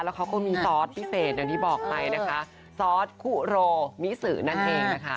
แล้วเขาก็มีซอสพิเศษอย่างที่บอกไปนะคะซอสคุโรมิสือนั่นเองนะคะ